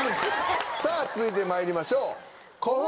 さぁ続いてまいりましょう。